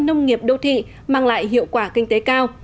nông nghiệp đô thị mang lại hiệu quả kinh tế cao